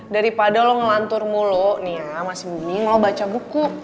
daripada lo ngelantur mulu nih ya mas booming lo baca buku